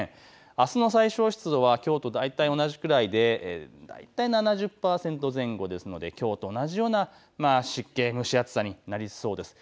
あすの最小湿度はきょうと大体同じくらいで大体７０％前後ですのできょうと同じような湿気蒸し暑さになりそうです。